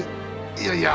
いやいや。